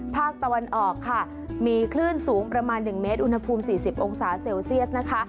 ภาคตะวันออกค่ะมีคลื่นสูงประมาณ๑เมตรอุณหภูมิ๔๐องศาเซลเซียสนะคะ